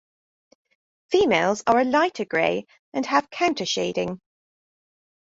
Females are a lighter gray and have countershading.